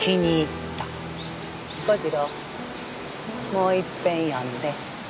もういっぺん呼んで。